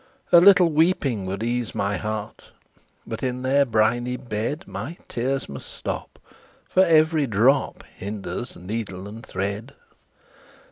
A little weeping would ease my heart, But in their briny bed My tears must stop, for every drop Hinders needle and thread!"